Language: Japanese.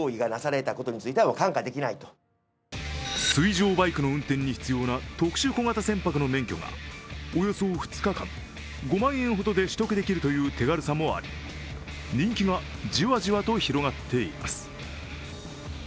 水上バイクの運転に必要な特殊小型船舶の免許がおよそ２日間、５万円ほどで取得できるという手軽さもあり人気がジワジワと広がっています。